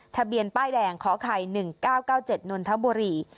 ทะเบียนป้ายแดงขอไข่หนึ่งเก้าเก้าเจ็ดนทบุรี